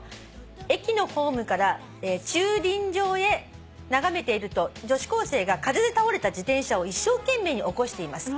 駅のホームから駐輪場へ眺めていると女子高生が風で倒れた自転車を一生懸命に起こしています」